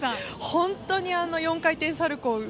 本当に４回転サルコー